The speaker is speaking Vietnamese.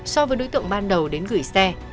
so với đối tượng ban đầu đến gửi xe